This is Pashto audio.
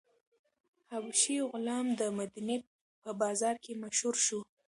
حبشي غلام د مدینې په بازار کې مشهور شو.